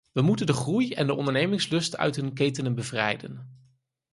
We moeten de groei en de ondernemingslust uit hun ketenen bevrijden.